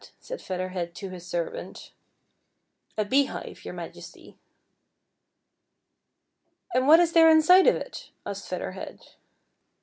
said Featlier Head to his servant. " A beehive, your Majesty." '* And what is there inside of it }" aslved I'cather Head.